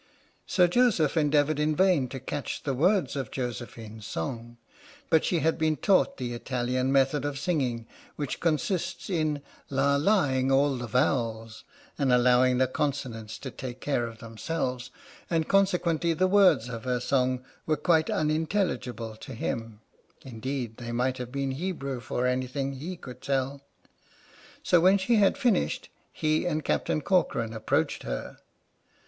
Sir Joseph endeavoured in vain to catch the words of Josephine's song, but she had been taught the Italian method of singing, which consists in " la la ing " all the vowels and allowing the consonants to take care of themselves, and consequently the words of her song were quite unintelligible to him — indeed they might have been Hebrew for anything he 96 H.M.S. "PINAFORE" could tell. So when she had finished, he and Cap tain Corcoran approached her.